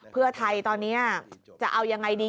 เพื่อไทยตอนนี้จะเอายังไงดี